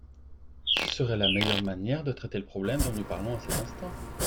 Ce serait la meilleure manière de traiter le problème dont nous parlons à cet instant.